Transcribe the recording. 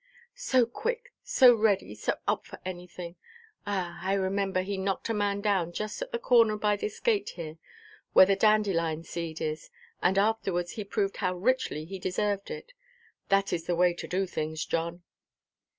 "So quick, so ready, so up for anything! Ah, I remember he knocked a man down just at the corner by this gate here, where the dandelion–seed is. And afterwards he proved how richly he deserved it. That is the way to do things, John."